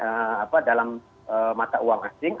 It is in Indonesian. apalagi yang di dalam mata uang asing